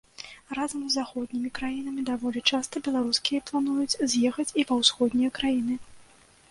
Разам з заходнімі краінамі даволі часта беларускі плануюць з'ехаць і ва ўсходнія краіны.